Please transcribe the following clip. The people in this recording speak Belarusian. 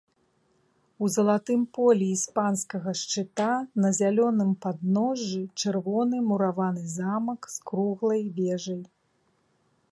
У залатым полі іспанскага шчыта на зялёным падножжы чырвоны мураваны замак з круглай вежай.